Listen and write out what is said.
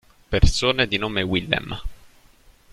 Persone di nome Willem